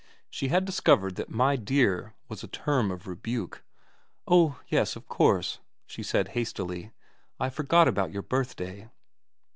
She had discovered that my dear was a term of rebuke. * Oh yes of course,' she said hastily, ' I forgot about your birthday.'